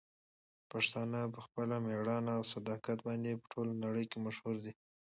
پښتانه په خپل مېړانه او صداقت باندې په ټوله نړۍ کې مشهور دي.